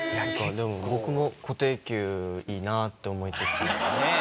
でも僕も固定給いいなって思いつつ。